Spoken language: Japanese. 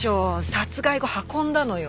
殺害後運んだのよ。